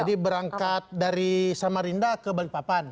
jadi berangkat dari samarinda ke balikpapan